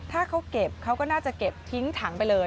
ถ้าเขาเก็บเขาก็น่าจะเก็บทิ้งถังไปเลย